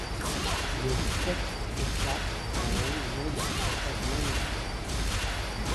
Le spectre Hécate, en haut l’ombre Fatalité ;